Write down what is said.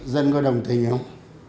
dân có đồng tình không